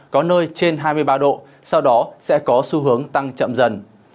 có nơi trên hai mươi ba độ sau đó sẽ có xu hướng tăng chậm dần